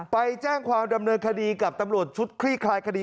ไปแจ้งความดำเนินคดีกับตำรวจชุดคลี่คลายคดี